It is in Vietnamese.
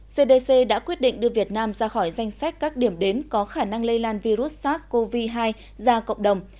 cdc đã quyết định đưa việt nam ra khỏi danh sách các điểm đến có khả năng lây lan virus sars cov hai ra cộng đồng